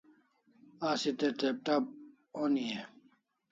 Asi te laptop oni e?